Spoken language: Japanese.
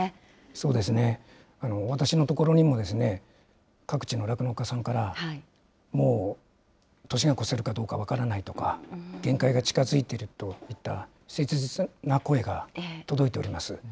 そうですね、私のところにも、各地の酪農家さんから、もう、年が越せるかどうか分からないとか、限界が近づいているといった切実な声が届いております。